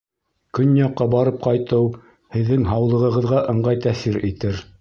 Көньяҡҡа барып ҡайтыу һеҙҙең һаулығығыҙға ыңғай тәьҫир итер